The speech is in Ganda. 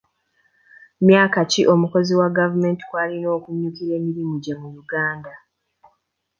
Myaka ki omukozi wa gavumenti kw'alina okunyukkira emirimu gye mu Uganda?